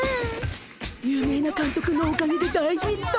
有名なかんとくのおかげで大ヒット！